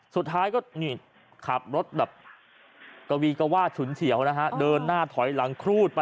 สุดท้ายก็ขับรถกวีกวาดฉุนเฉียวเดินหน้าถอยหลังครูดไป